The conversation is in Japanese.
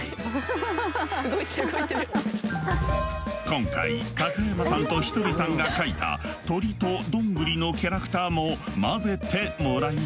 今回高山さんとひとりさんが描いた鳥とどんぐりのキャラクターも交ぜてもらいました。